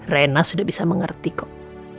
rena sudah bisa mengerti kok